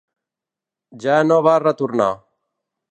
Ja no va retornar.